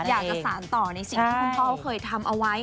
อยากจะสารต่อในสิ่งที่คุณพ่อเคยทำเอาไว้